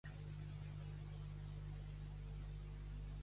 Ep! Coto a la barraca!